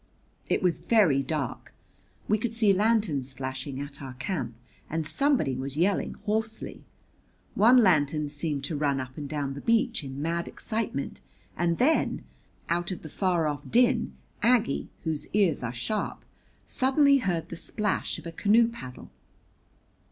It was very dark. We could see lanterns flashing at our camp and somebody was yelling hoarsely. One lantern seemed to run up and down the beach in mad excitement, and then, out of the far off din, Aggie, whose ears are sharp, suddenly heard the splash of a canoe paddle.